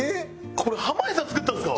これ濱家さん作ったんですか？